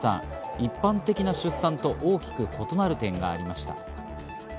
一般的な出産と大きく異なる点がありました。